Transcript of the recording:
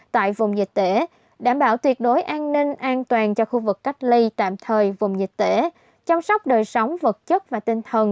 tại vùng dịch tễ đảm bảo tuyệt đối an ninh an toàn cho khu vực cách ly tạm thời vùng dịch tễ chăm sóc đời sống vật chất và tinh thần